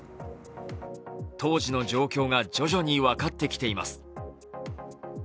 当時の状況が徐々に分かってきています。